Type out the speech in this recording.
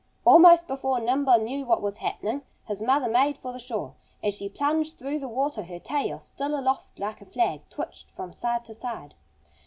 Almost before Nimble knew what was happening his mother made for the shore. As she plunged through the water her tail, still aloft like a flag, twitched from side to side.